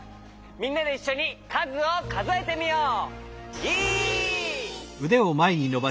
みんなでいっしょにかずをかぞえてみよう！